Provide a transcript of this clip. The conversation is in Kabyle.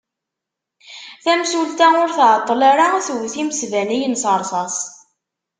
Tamsulta ur tɛeṭṭel ara twet imesbaniyen s rrṣas.